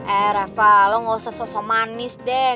eh reva lo gak usah sosok manis deh